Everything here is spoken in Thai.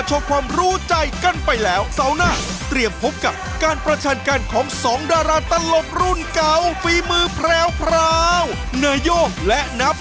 พบกันใหม่ในสัปดาห์หน้า